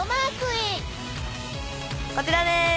こちらです。